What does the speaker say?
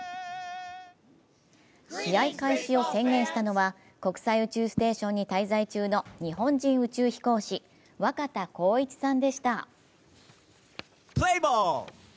試合開始を宣言したのは国際宇宙ステーションに滞在中の日本人宇宙飛行士、若田光一さんでした。